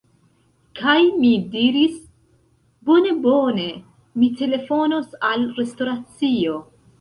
Kaj mi diris, "bone bone... mi telefonos al restoracio"